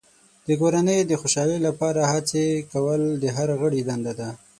د کورنۍ د خوشحالۍ لپاره هڅې کول د هر غړي دنده ده.